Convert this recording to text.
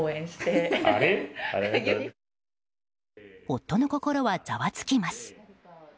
夫の心はざわつきます。